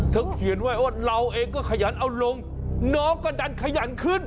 เขียนไว้ว่าเราเองก็ขยันเอาลงน้องก็ดันขยันขึ้น